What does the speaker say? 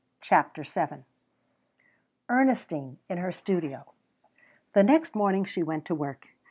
CHAPTER VII ERNESTINE IN HER STUDIO The next morning she went to work.